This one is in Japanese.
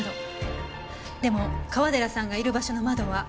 でも川寺さんがいる場所の窓は後方上部。